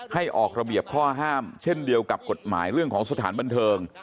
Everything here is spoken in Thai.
ออกระเบียบข้อห้ามเช่นเดียวกับกฎหมายเรื่องของสถานบันเทิง